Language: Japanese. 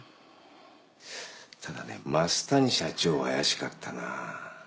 ただね増谷社長は怪しかったな。